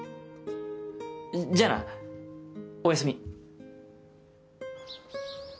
じゃあなおやすみ。